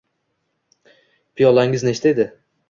Piyolangiz nechta edi